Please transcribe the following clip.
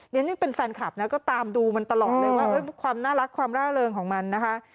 ฉันยังเป็นแฟนคลับนะก็ตามดูมันตลอดเลยว่าความน่ารักความร่าเริงของมันนะคะ